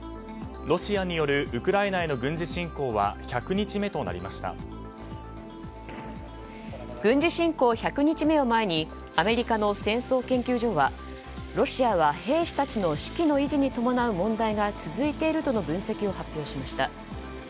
ロシアによるウクライナへの軍事侵攻は軍事侵攻１００日目を前にアメリカの戦争研究所はロシアは兵士たちの士気の維持に伴う問題が続いているとの分析を発表しました。